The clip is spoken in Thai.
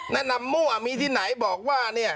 แนะนำมั่วมีที่ไหนบอกว่าเนี่ย